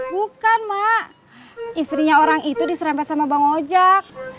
bukan mak istrinya orang itu diserempet sama bang ojek